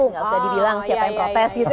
nggak usah dibilang siapa yang protes gitu ya